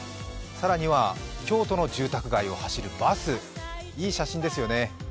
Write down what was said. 更には京都の住宅街を走るバスいい写真ですよね。